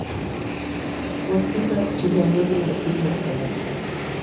Waklipa akchillanwanmi wasiiman ćhalqamuu.